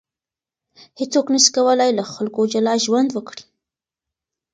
هیڅوک نسي کولای له خلکو جلا ژوند وکړي.